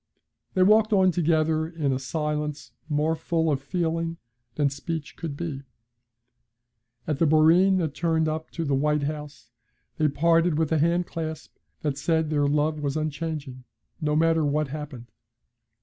They walked on together in a silence more full of feeling than speech could be. At the boreen that turned up to the white house they parted with a hand clasp that said their love was unchanging, no matter what happened.